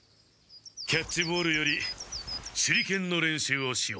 キャッチボールより手裏剣の練習をしよう。